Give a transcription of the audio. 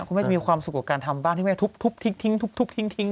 คุณแม่จะมีความสุขกับการทำบ้านที่แม่ทุบทุบทิ้งทิ้งทุบทิ้งเนี่ย